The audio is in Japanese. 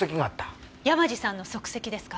山路さんの足跡ですか？